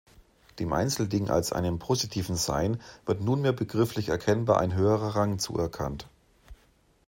Dem Einzelding als einem positiven Sein wird nunmehr begrifflich erkennbar ein höherer Rang zuerkannt.